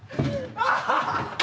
アハハハハ！